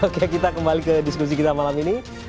oke kita kembali ke diskusi kita malam ini